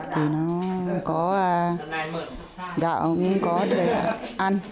thì nó có gạo cũng có để ăn